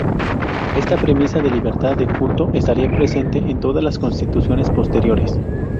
Esta premisa de libertad de culto estaría presente en todas las constituciones posteriores.